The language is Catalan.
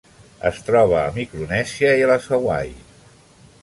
Es troba a Micronèsia i a les Hawaii.